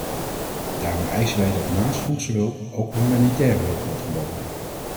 Daarom eisen wij dat naast voedselhulp ook humanitaire hulp wordt geboden.